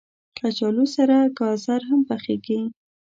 کچالو سره ګازر هم پخېږي